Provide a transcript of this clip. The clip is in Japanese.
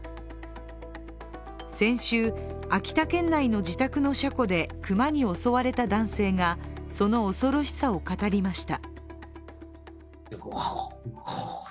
先週、秋田県内の自宅の車庫で熊に襲われた男性がその恐ろしさを語りました。